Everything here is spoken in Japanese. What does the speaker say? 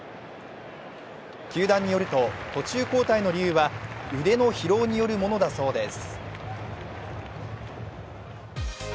球団によると途中交代の理由は腕の疲労によるものだそうです。